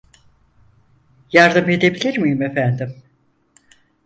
Yardım edebilir miyim efendim?